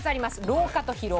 老化と疲労。